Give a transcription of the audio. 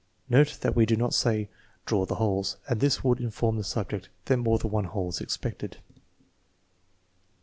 Note that we do not say, "Draw the holes," as this would inform the subject that more than one hole is expected.